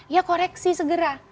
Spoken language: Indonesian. ya koreksi segera